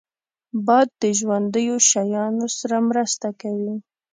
باد د ژوندیو شیانو سره مرسته کوي